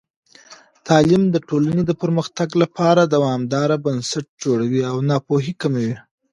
تعلیم د ټولنې د پرمختګ لپاره دوامدار بنسټ جوړوي او ناپوهي کموي.